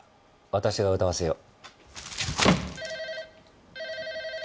私が歌わせよう。